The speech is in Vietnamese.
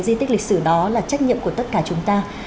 di tích lịch sử đó là trách nhiệm của tất cả chúng ta